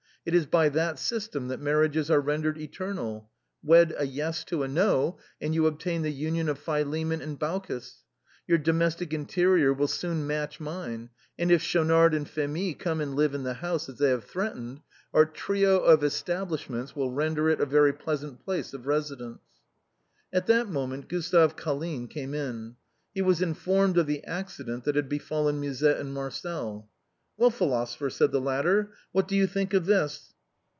It is by that system that marriages are rendered eternal. Wed a ' yes ' to a *no,' and you obtain the union of Philemon and Baucis. Your domestic interior will soon match mine ; and if Schau nard and Phémie come and live in the house, as they have threatened, our trio of establishments will render it a very pleasant place of residence." At that moment Gustave Colline came in. He was in formed of the accident that had befallen Musette and Marcel. " Well, philosopher," said the latter, " what do you think of this?"